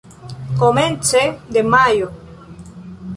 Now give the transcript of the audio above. Komence de majo.